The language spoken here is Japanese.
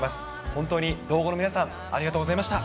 本当に島後の皆さん、ありがとうございました。